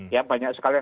ya banyak sekali